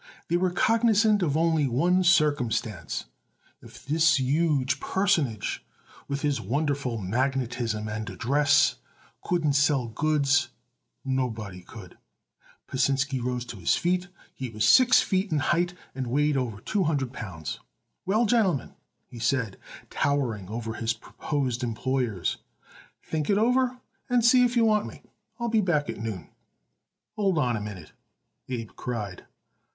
They were cognizant of only one circumstance: If this huge personage with his wonderful magnetism and address couldn't sell goods, nobody could. Pasinsky rose to his feet. He was six feet in height, and weighed over two hundred pounds. "Well, gentlemen," he said, towering over his proposed employers, "think it over and see if you want me. I'll be back at noon." "Hold on a minute," Abe cried.